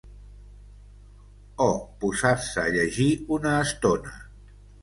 O posar-se a llegir una estona.